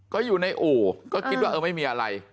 ก็อยู่ในอู่ก็คิดว่าเออไม่มีอะไร